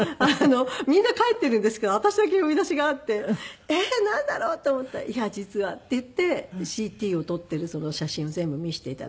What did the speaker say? みんな帰っているんですけど私だけ呼び出しがあってえっなんだろう？と思ったら「いや実は」っていってＣＴを撮っている写真を全部見せて頂いて。